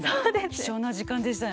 貴重な時間でしたね。